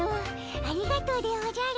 ありがとうでおじゃる。